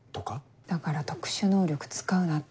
だから特殊能力使うなって。